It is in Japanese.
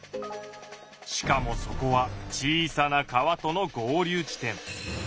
しかもそこは小さな川との合流地点。